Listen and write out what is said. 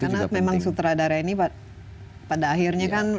karena memang sutradara ini pada akhirnya kan